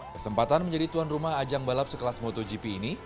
kesempatan menjadi tuan rumah ajang balap sekelas motogp ini